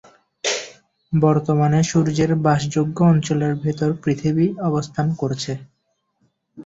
বর্তমানে সূর্যের বাসযোগ্য অঞ্চলের ভিতর পৃথিবী অবস্থান করছে।